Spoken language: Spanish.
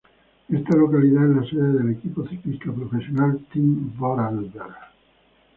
Esta localidad es la sede del equipo ciclista profesional Team Vorarlberg.